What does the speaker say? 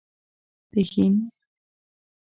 پښين